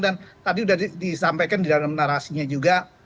dan tadi udah disampaikan di dalam narasinya juga